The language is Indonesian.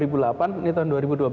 ini tahun dua ribu dua belas